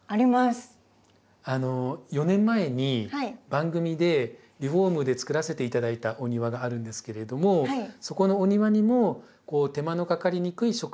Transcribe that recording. ４年前に番組でリフォームでつくらせて頂いたお庭があるんですけれどもそこのお庭にも手間のかかりにくい植物というのを植えているので。